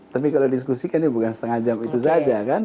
tapi kalau diskusi kan bukan setengah jam itu saja kan